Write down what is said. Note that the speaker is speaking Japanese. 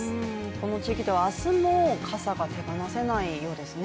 この地域では明日も傘が手放せないようですね